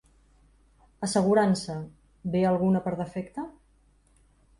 Assegurança, ve alguna per defecte?